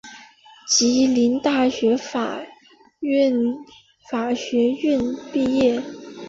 吉林大学法学院毕业。